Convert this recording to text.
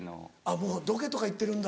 もうロケとか行ってるんだ。